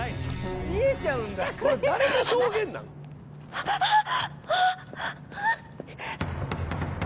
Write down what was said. ああっ。